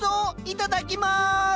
いただきます！